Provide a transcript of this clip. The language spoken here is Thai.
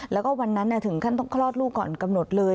แล้วก็วันนั้นถึงขั้นต้องคลอดลูกก่อนกำหนดเลย